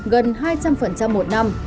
gần hai trăm linh một năm